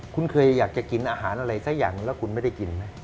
คุณเคยอยากจะกินอาหารอะไรสักอย่างแล้วคุณไม่ได้กินไหม